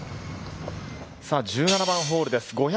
さぁ１７番ホールです。